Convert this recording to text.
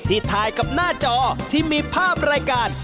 ถ่ายกับหน้าจอที่มีภาพรายการ